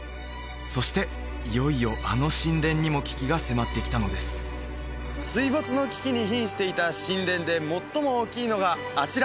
そしていよいよあの神殿にも危機が迫ってきたのです水没の危機にひんしていた神殿で最も大きいのがあちら！